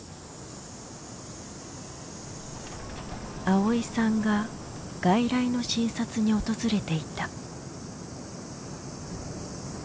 あおいさんが外来の診察に訪れていた。